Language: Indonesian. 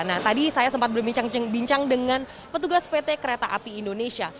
nah tadi saya sempat berbincang bincang dengan petugas pt kereta api indonesia